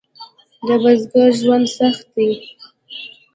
د بزګر ژوند سخت دی؟